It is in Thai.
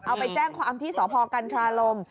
เอาไปแจ้งความที่สพกันทราลม